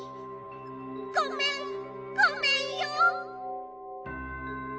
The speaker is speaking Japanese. ごめんごめんよ！